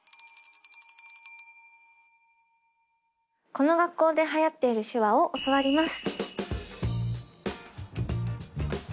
この学校で流行っている手話を教わります。